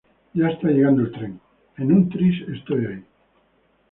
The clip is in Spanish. Ya está llegando el tren, en un tris estoy ahí